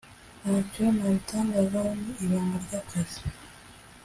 “ntacyo nabitangazaho ni ibanga ry’akazi